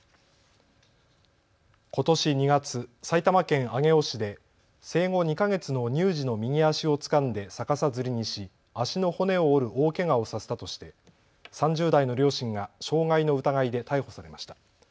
ことし２月、埼玉県上尾市で生後２か月の乳児の右足をつかんで逆さづりにし足の骨を折る大けがをさせたとして３０代の両親が傷害の疑いで逮捕されました。